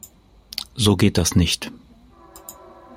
So geht das nicht.